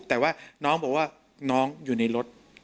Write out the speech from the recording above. แต่ว่าน้องบอกว่าน้องอยู่ในรถ